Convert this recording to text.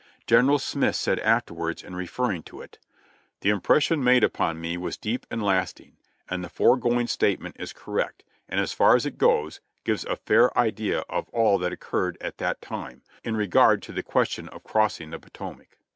Gen. Smith said afterwards, in referring to it : "The impression made upon me was deep and lasting, and the foregoing statement is correct, and as far as it goes, gives a fair idea of all that occurred at that time, in regard to the question of crossing the Potomac."